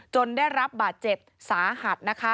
ได้รับบาดเจ็บสาหัสนะคะ